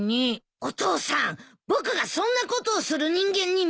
お父さん僕がそんなことをする人間に見える？